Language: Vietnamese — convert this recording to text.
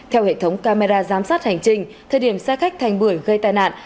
theo hệ thống camera giám sát hành trình thời điểm xe khách thành bưởi gây tai nạn